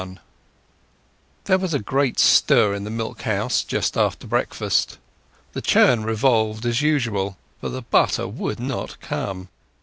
XXI There was a great stir in the milk house just after breakfast. The churn revolved as usual, but the butter would not come.